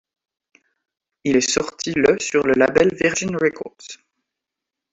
Il est sorti le sur le label Virgin Records.